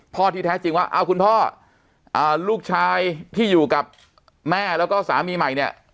ที่แท้จริงว่าคุณพ่อลูกชายที่อยู่กับแม่แล้วก็สามีใหม่เนี่ย